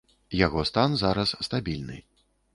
Яго стан зараз стабільны.